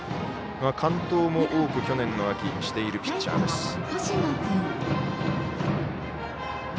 完投も多く、去年の秋しているピッチャーです。